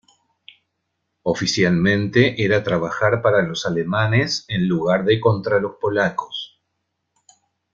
Oficialmente era trabajar para los alemanes en lugar de contra los polacos.